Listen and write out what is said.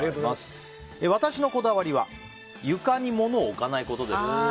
私のこだわりは床に物を置かないことです。